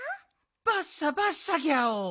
バッサバッサギャオ。